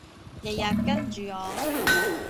日日跟住我